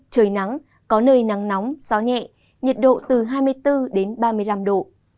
trời nắng có nơi nắng nóng gió nhẹ nhiệt độ từ hai mươi bốn đến ba mươi năm độ